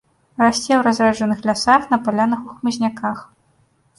Расце ў разрэджаных лясах, на палянах, у хмызняках.